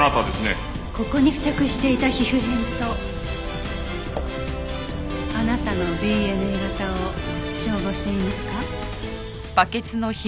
ここに付着していた皮膚片とあなたのＤＮＡ型を照合してみますか？